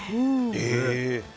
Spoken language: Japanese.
へえ。